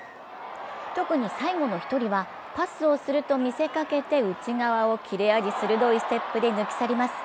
特に、最後の一人はパスをすると見せかけて内側を切れ味鋭いステップで抜き去ります。